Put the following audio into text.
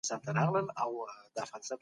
نور بیا ماښام لمبېدل غوره ګڼي.